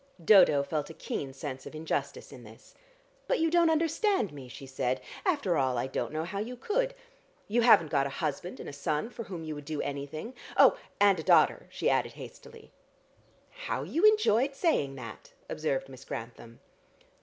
Dodo felt a keen sense of injustice in this. "But you don't understand me," she said. "After all, I don't know how you could. You haven't got a husband and a son for whom you would do anything. Oh, and a daughter," she added hastily. "How you enjoyed saying that!" observed Miss Grantham.